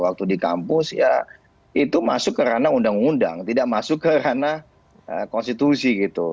waktu di kampus ya itu masuk kerana undang undang tidak masuk kerana konstitusi gitu